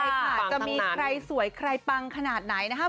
ใช่ค่ะจะมีใครสวยใครปังขนาดไหนนะครับ